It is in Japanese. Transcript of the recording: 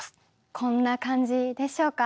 こんな感じでしょうか？